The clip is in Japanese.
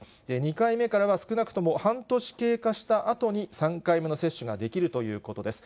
２回目からは少なくとも半年経過したあとに３回目の接種ができるということです。